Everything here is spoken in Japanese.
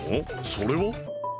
それは？